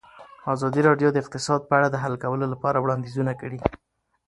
ازادي راډیو د اقتصاد په اړه د حل کولو لپاره وړاندیزونه کړي.